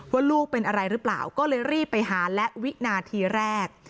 ว่าลูกเป็นอะไรหรือเปล่าก็เลยรีบไปหาและวินาทีแรก